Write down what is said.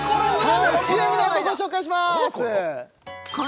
ＣＭのあとご紹介します